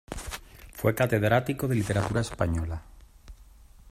Fue catedrático de literatura española.